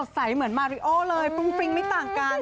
ใสเหมือนมาริโอเลยฟรุ้งฟริ้งไม่ต่างกัน